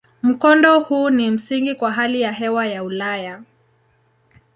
Mkondo huu ni msingi kwa hali ya hewa ya Ulaya.